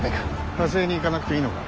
加勢に行かなくていいのか。